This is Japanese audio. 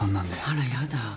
あらやだ。